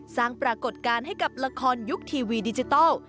สร้างปรากฏการณ์ให้กับละครยุคทีวีดิจิทัล